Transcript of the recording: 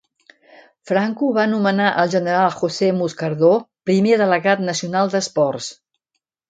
Franco va nomenar al general José Moscardó primer delegat nacional d'Esports.